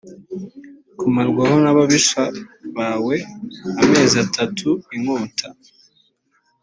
kumarwaho n ababisha bawe amezi atatu inkota